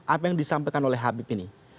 apa yang disampaikan oleh habib ini